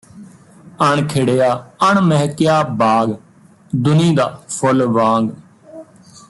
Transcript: ਅਣਖਿੜਿਆ ਅਣਮਹਿਕਿਆ ਬਾਗ਼ ਦੁਨੀ ਦਾ ਫੁੱਲ ਵਾਂਗ